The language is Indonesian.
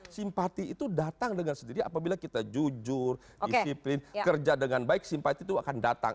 simpati itu datang dengan sendiri apabila kita jujur disiplin kerja dengan baik simpati itu akan datang